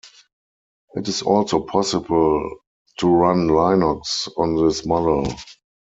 It is also possible to run Linux on this model.